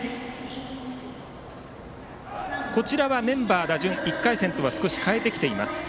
こちらはメンバー、打順１回戦と変えてきています。